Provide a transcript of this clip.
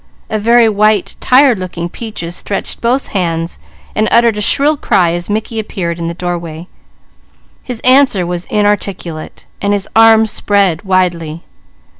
A very white, tired looking Peaches stretched both hands and uttered a shrill cry as Mickey appeared in the doorway. His answer was inarticulate while his arms spread widely.